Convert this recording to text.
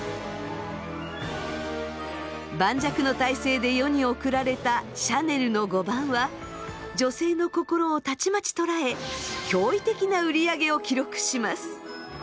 盤石の体制で世に送られたシャネルの５番は女性の心をたちまち捉え驚異的な売り上げを記録します。